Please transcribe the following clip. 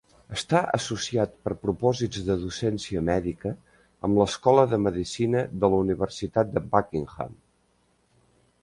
Està associat per propòsits de docència mèdica amb l'escola de medicina de la Universitat de Buckingham.